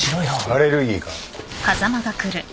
・アレルギーか？